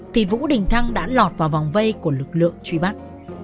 thì vũ đình thăng đã lọt vào vòng vây của lực lượng truy bắt